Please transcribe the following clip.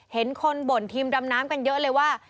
เห็นคนบ่นทีมดำน้ำกันเยอะเลยว่า